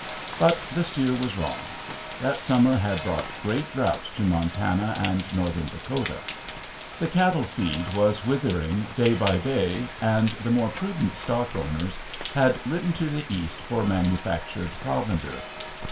But the steer was wrong. That summer had brought great drought to Montana and Northern Dakota. The cattle feed was withering day by day, and the more prudent stock owners had written to the East for manufactured provender.